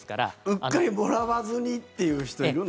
うっかりもらわずにという人いるの？